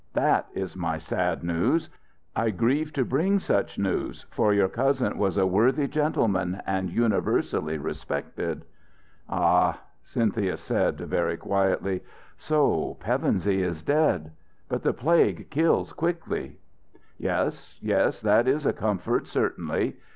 That is my sad news. I grieve to bring such news, for your cousin was a worthy gentleman and universally respected." "Ah," Cynthia said, very quiet, "so Pevensey is dead. But the Plague kills quickly!" "Yes, yes, that is a comfort, certainly.